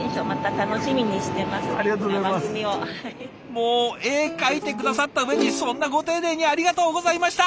もう絵描いて下さった上にそんなご丁寧にありがとうございました！